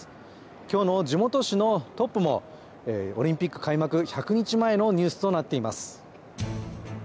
今日の地元紙のトップも、オリンピック開幕１００日前のニュースとなっています。